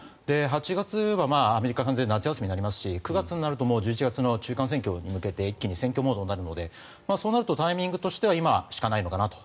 ８月はアメリカは夏休みになりますし９月になるともう１１月の中間選挙に向けて一気に選挙モードになるのでそうなるとタイミングとしては今しかないのかなと。